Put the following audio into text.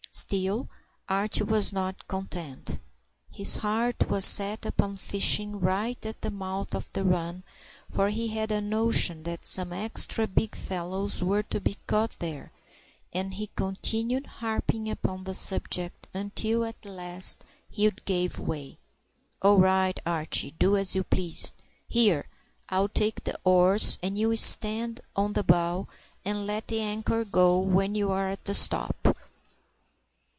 Still, Archie was not content. His heart was set upon fishing right at the mouth of the run, for he had a notion that some extra big fellows were to be caught there, and he continued harping upon the subject until at last Hugh gave way. "All right, Archie. Do as you please. Here! I'll take the oars, and you stand on the bow, and let the anchor go when you're at the spot."